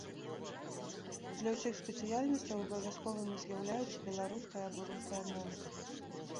Для ўсіх спецыяльнасцяў абавязковымі з'яўляюцца беларуская або руская мова.